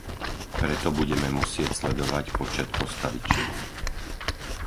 Preto budeme musieť sledovať počet postavičiek.